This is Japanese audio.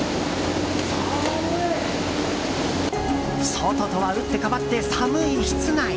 外とは打って変わって寒い室内。